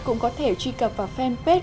cũng có thể truy cập vào fanpage